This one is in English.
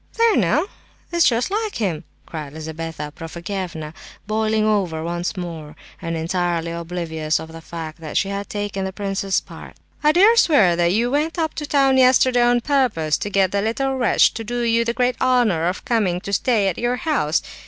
"There now! It's just like him," cried Lizabetha Prokofievna, boiling over once more, and entirely oblivious of the fact that she had just taken the prince's part. "I dare swear that you went up to town yesterday on purpose to get the little wretch to do you the great honour of coming to stay at your house.